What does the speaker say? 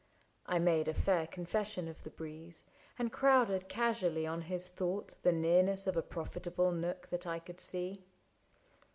I made a fair confession of the breeze. And crowded casually on his thought The nearness of a profitable nook That I could see.